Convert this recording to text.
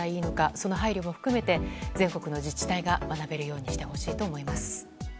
その配慮も含めて全国の自治体が学べるようにしてほしいと思います。